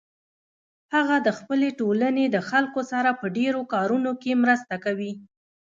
هغه د خپلې ټولنې د خلکو سره په ډیرو کارونو کې مرسته کوي